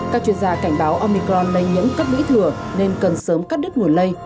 các chuyên gia cảnh báo omicron lây nhiễm cấp lũy thừa nên cần sớm cắt đứt nguồn lây